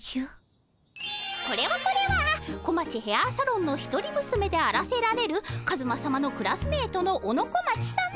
これはこれは小町ヘアサロンの一人むすめであらせられるカズマさまのクラスメートの小野小町さま。